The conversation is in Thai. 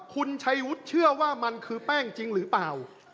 คุณชัยวุฒิเชื่อว่ามันคือแป้งจริงหรือเปล่า